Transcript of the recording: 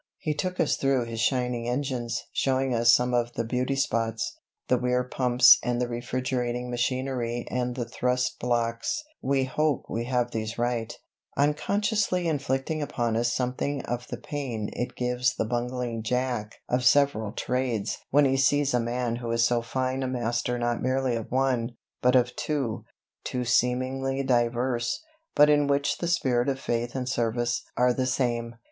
He took us through his shining engines, showing us some of the beauty spots the Weir pumps and the refrigerating machinery and the thrust blocks (we hope we have these right), unconsciously inflicting upon us something of the pain it gives the bungling jack of several trades when he sees a man who is so fine a master not merely of one, but of two two seemingly diverse, but in which the spirit of faith and service are the same.